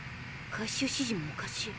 回収指示もおかしい。